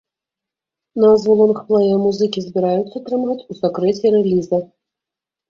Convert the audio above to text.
Назву лонгплэя музыкі збіраюцца трымаць у сакрэце рэліза.